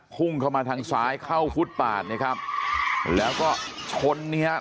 พุ่งเข้ามาทางซ้ายเข้าฟุตปาดนะครับแล้วก็ชนเนี่ยฮะ